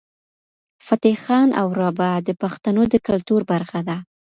فتح خان او رابعه د پښتنو د کلتور برخه ده.